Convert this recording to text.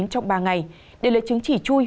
trong ba ngày để lợi chứng chỉ chui